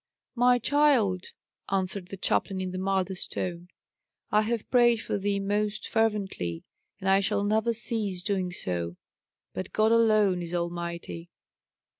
"My child," answered the chaplain in the mildest tone, "I have prayed for thee most fervently, and I shall never cease doing so but God alone is Almighty."